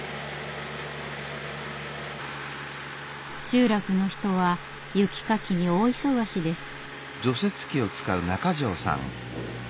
集落の人は雪かきに大忙しです。